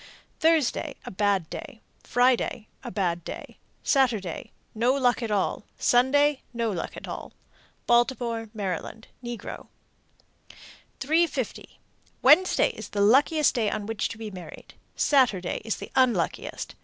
Thursday a bad day. Friday a bad day. Saturday no luck at all. Sunday no luck at all. Baltimore, Md. (negro). 350. Wednesday is the luckiest day on which to be married. Saturday is the unluckiest.